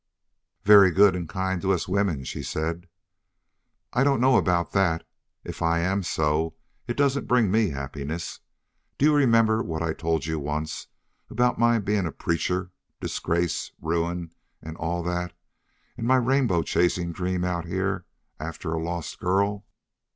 "Very good and kind to us women," she said. "I don't know about that. If I am so, it doesn't bring me happiness. ... Do you remember what I told you once, about my being a preacher disgrace, ruin, and all that and my rainbow chasing dream out here after a a lost girl?"